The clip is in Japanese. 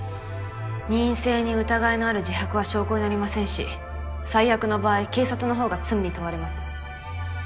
任意性に疑いのある自白は証拠になりませんし最悪の場合警察のほうが罪に問われます。